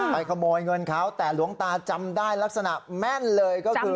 ขโมยเงินเขาแต่หลวงตาจำได้ลักษณะแม่นเลยก็คือ